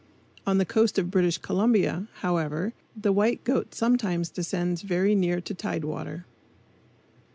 On the coast of British Columbia, however, the white goat sometimes descends very near to tide water.